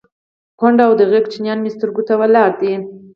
_کونډه او د هغې ماشومان مې سترګو ته ولاړ دي.